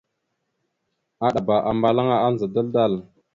Aɗaba ambalaŋa andza dal-dal.